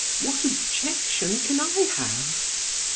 What objection can I have?"